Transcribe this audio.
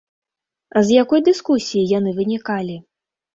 З якой дыскусіі яны вынікалі?